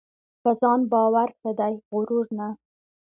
په ځان باور ښه دی ؛غرور نه .